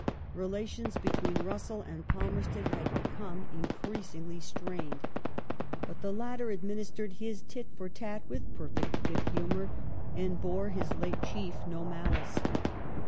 Relations between Russell and Palmerston had become increasingly strained, 1852] THE MINISTRY IN DISSOLUTION 197 but the latter administered his " tit for tat " with perfect good humour, and bore his late chief no malice.